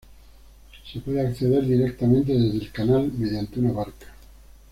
Se puede acceder directamente desde el canal mediante una barca.